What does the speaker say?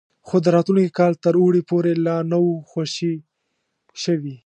خو د راتلونکي کال تر اوړي پورې لا نه وو خوشي شوي.